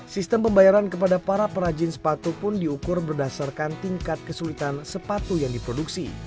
sistem pembayaran kepada para perajin sepatu pun diukur berdasarkan tingkat kesulitan sepatu yang diproduksi